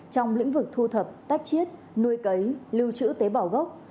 trong lĩnh vực thu thập tách chiết nuôi cấy lưu trữ tế bảo gốc